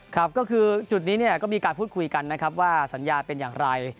ครับก็คือจุดนี้เนี่ยก็มีการพูดคุยกันนะครับว่าสัญญาเป็นอย่างไร